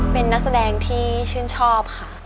เป็นนักแสดงที่ชื่นชอบค่ะ